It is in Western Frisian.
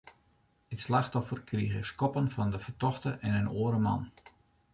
It slachtoffer krige skoppen fan de fertochte en in oare man.